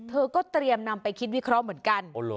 เธอก็เตรียมนำไปคิดวิเคราะห์เหมือนกัน